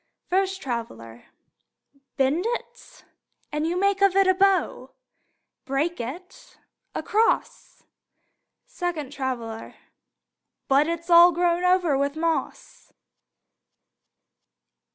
First Traveler: Bend it, and you make of it a bow. Break it, a cross. Second Traveler: But it's all grown over with moss!